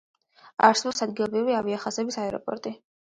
არსებობს ადგილობრივი ავიახაზების აეროპორტი.